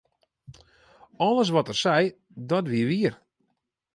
Alles wat er sei, dat wie wier.